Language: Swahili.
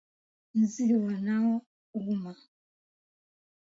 Nzi wanaouma